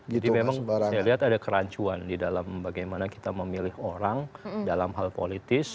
jadi memang saya lihat ada kerancuan di dalam bagaimana kita memilih orang dalam hal politis